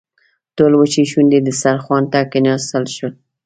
ټول وچې شونډې دسترخوان ته کښېناستل.